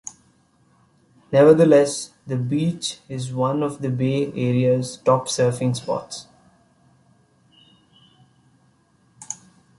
Nevertheless, the beach is one of the Bay Area's top surfing spots.